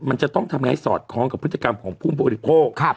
มันจะต้องทำให้สอดคล้องกับพฤติกรรมของผู้บริโภค